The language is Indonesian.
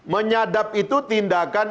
menyadap itu tindakan